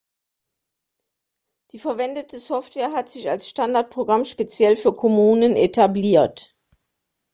Die verwendete Software hat sich als Standardprogramm speziell für Kommunen etabliert.